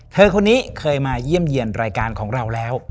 เธอคนนี้เคยมาเยี่ยมเยี่ยมรายการของเราแล้ว